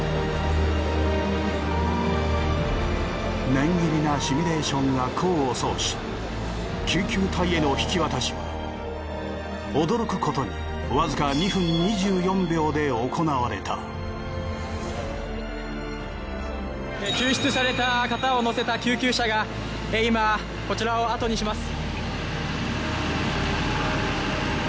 念入りなシミュレーションが功を奏し救急隊への引き渡しは驚くことにわずか２分２４秒で行われた救出された方を乗せた救急車が今こちらをあとにします